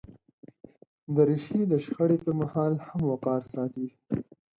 دریشي د شخړې پر مهال هم وقار ساتي.